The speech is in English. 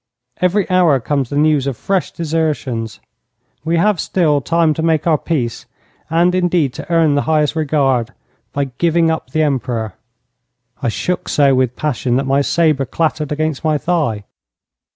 Every hour comes the news of fresh desertions. We have still time to make our peace, and, indeed, to earn the highest regard, by giving up the Emperor.' I shook so with passion that my sabre clattered against my thigh.